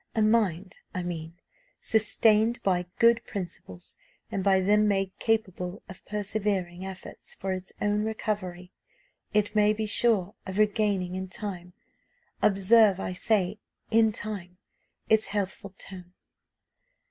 A mind, I mean, sustained by good principles, and by them made capable of persevering efforts for its own recovery. It may be sure of regaining, in time observe, I say in time its healthful tone.